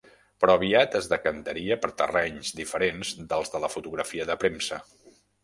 Però aviat es decantaria per terrenys diferents dels de la fotografia de premsa.